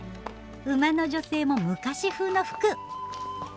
馬の女性も昔風の服！